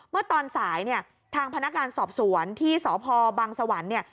เมื่อตอนสายเนี่ยทางพนักงานสอบสวนที่สพบังสวรรค์เนี่ย